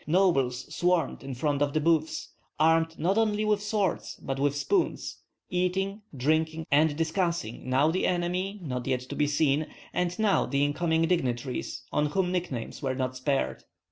Nobles swarmed in front of the booths, armed not only with swords but with spoons, eating, drinking, and discussing, now the enemy not yet to be seen, and now the incoming dignitaries, on whom nicknames were not spared.